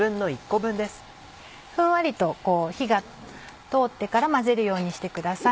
ふんわりと火が通ってから混ぜるようにしてください。